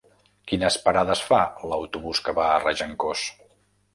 Quines parades fa l'autobús que va a Regencós?